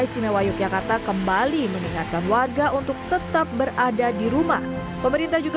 istimewa yogyakarta kembali mengingatkan warga untuk tetap berada di rumah pemerintah juga